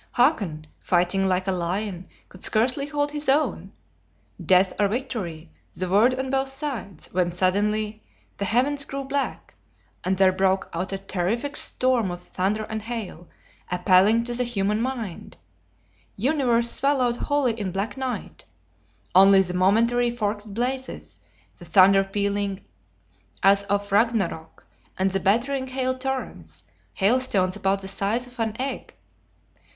Hakon, fighting like a lion, could scarcely hold his own, Death or Victory, the word on both sides; when suddenly, the heavens grew black, and there broke out a terrific storm of thunder and hail, appalling to the human mind, universe swallowed wholly in black night; only the momentary forked blazes, the thunder pealing as of Ragnarok, and the battering hail torrents, hailstones about the size of an egg.